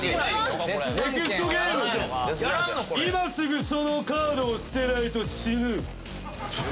今すぐそのカードを捨てないと死ぬ。